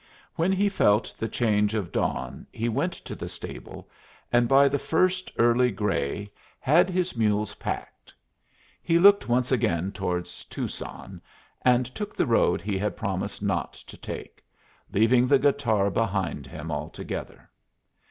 When he felt the change of dawn he went to the stable, and by the first early gray had his mules packed. He looked once again towards Tucson, and took the road he had promised not to take, leaving the guitar behind him altogether.